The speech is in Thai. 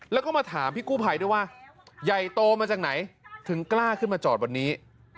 แล้วก็มาถามพี่กู้ภัยด้วยว่าใหญ่โตมาจากไหนถึงกล้าขึ้นมาจอดวันนี้